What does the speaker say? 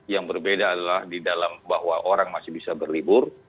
yang berbeda adalah di dalam bahwa orang masih bisa berlibur